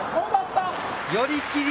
寄り切り！